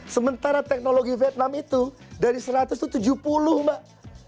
sementara teknologi vietnam itu dari seratus itu tujuh puluh mbak